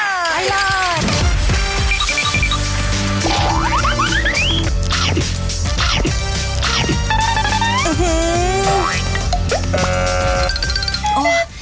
อื้อฮือ